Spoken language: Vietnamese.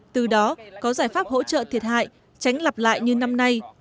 từ đó có giải pháp hỗ trợ thiệt hại tránh lặp lại như năm nay